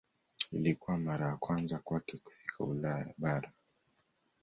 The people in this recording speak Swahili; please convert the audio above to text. Ilikuwa mara ya kwanza kwake kufika Ulaya bara.